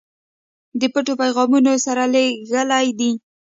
د پټو پیغامونو سره لېږلی دي.